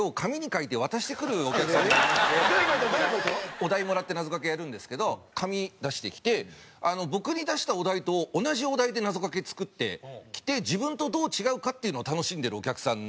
お題もらって謎かけやるんですけど紙出してきて僕に出したお題と同じお題で謎かけ作ってきて自分とどう違うかっていうのを楽しんでるお客さんなんですよ。